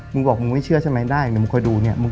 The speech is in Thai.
มึงบอกมึงไม่เชื่อใช่ไหมได้เดี๋ยวมึงคอยดูเนี่ย